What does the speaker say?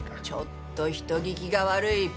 ちょっと人聞きが悪い！